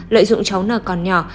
lợi dụng cháu n còn nhỏ